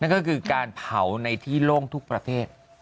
ก็คือการเผาในที่โล่งทุกประเภท